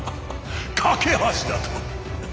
懸け橋だと？